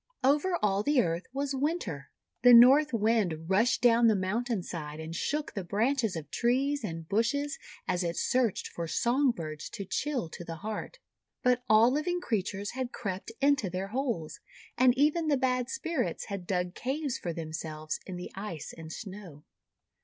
Over all the Earth was Winter. The North Wind rushed down the mountain side, and shook the branches of trees and bushes as it searched for song birds to chill to the heart. But all living creatures had crept into their holes, and even the bad Spirits had dug caves for themselves in the Ice and Snow.